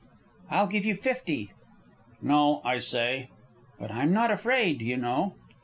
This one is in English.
"I'll give you fifty." "No, I say." "But I'm not afraid, you know."